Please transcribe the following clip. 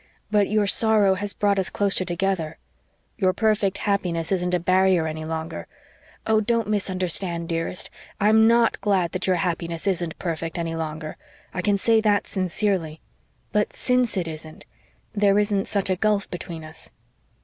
But your sorrow has brought us closer together. Your perfect happiness isn't a barrier any longer. Oh, don't misunderstand, dearest I'm NOT glad that your happiness isn't perfect any longer I can say that sincerely; but since it isn't, there isn't such a gulf between us."